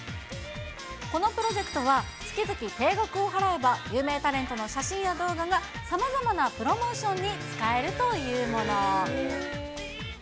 このプロジェクトは、月々定額を払えば、有名タレントの写真や動画が、さまざまなプロモーションに使えるというもの。